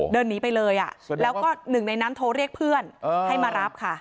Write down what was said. เดินหนีไปเลยแล้วก็หนึ่งในนั้นโทรเรียกเพื่อนให้มารับค่ะ